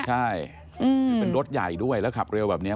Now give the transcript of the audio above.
ใช่เป็นรถใหญ่ด้วยแล้วขับเร็วแบบนี้